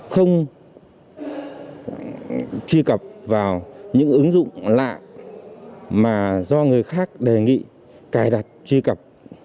không truy cập vào những ứng dụng lạ mà do người khác đề nghị cài đặt truy cập